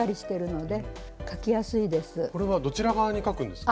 これはどちら側に描くんですか？